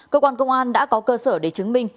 cơ quan công an đã có cơ sở để chứng minh